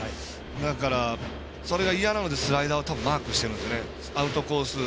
だからそれが嫌なのでスライダーを多分マークしてるんですよね。